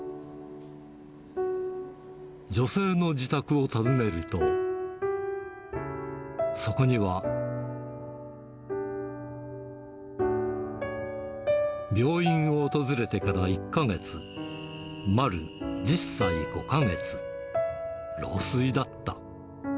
女性の自宅を訪ねると、そこには、病院を訪れてから１か月、まる１０歳５か月、老衰だった。